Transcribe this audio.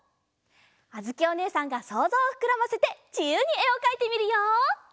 あづきおねえさんがそうぞうをふくらませてじゆうにえをかいてみるよ！